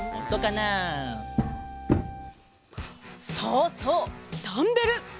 そうそうダンベル！